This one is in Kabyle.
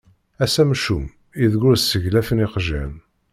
Ass amcum, ideg ur sseglafen iqjan.